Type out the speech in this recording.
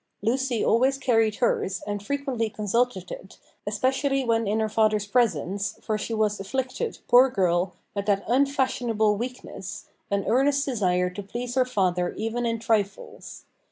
Lucy always carried hers, and frequently consulted it, especially when in her father's presence, for she was afflicted, poor girl, with that unfashionable weakness, an earnest desire to please her father even in trifles.